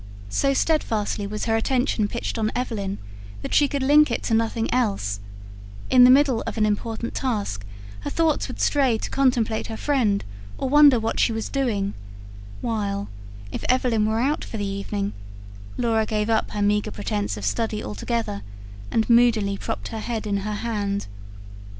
So steadfastly was her attention pitched on Evelyn that she could link it to nothing else: in the middle of an important task, her thoughts would stray to contemplate her friend or wonder what she was doing; while, if Evelyn were out for the evening, Laura gave up her meagre pretence of study altogether, and moodily propped her head in her hand.